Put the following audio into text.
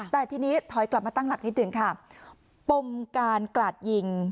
แต่ทีนี้ถอยกลับมาตั้งหลักนิดหนึ่งค่ะปมการกลาดยิง